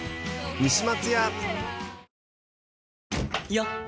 よっ！